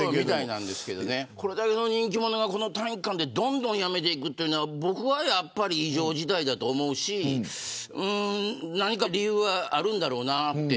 これだけの人気者がこの短期間でどんどん辞めていくのはやっぱり異常事態だと思うし何か理由はあるんだろうなと。